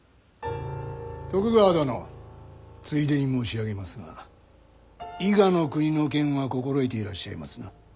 徳川殿ついでに申し上げますが伊賀国の件は心得ていらっしゃいますな？